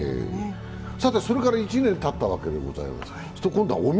それから１年たったわけでございます。